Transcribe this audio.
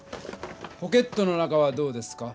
ポケットの中はどうですか？